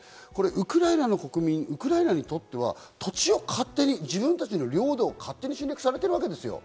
ウクライナの国民、ウクライナにとっては土地を勝手に、自分たちの領土を勝手に侵略されてるわけですよ。